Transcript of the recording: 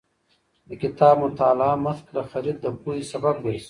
د کتاب مطالعه مخکې له خرید د پوهې سبب ګرځي.